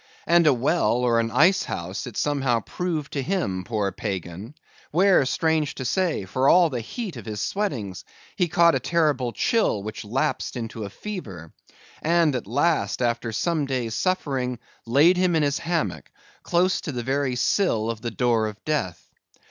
And a well, or an ice house, it somehow proved to him, poor pagan; where, strange to say, for all the heat of his sweatings, he caught a terrible chill which lapsed into a fever; and at last, after some days' suffering, laid him in his hammock, close to the very sill of the door of death.